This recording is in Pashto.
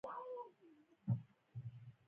دغه هېواد ته يې اټومي ټکنالوژۍ او تاسيسات ور پرېښول.